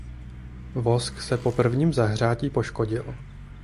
Vosk se po prvním zahřátí poškodil.